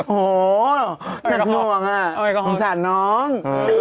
โห้หนักน่วงอ่ะมุสานน้อง